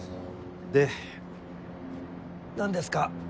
で何ですか？